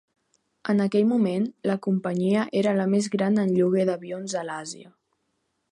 En aquell moment, la Companyia era la més gran en lloguer d'avions a l'Àsia.